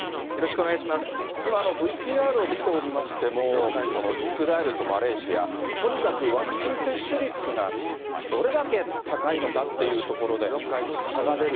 今、ＶＴＲを見ておりましても、イスラエルとマレーシア、とにかくワクチン接種率がどれだけ高いのかっていうところで、差が出る。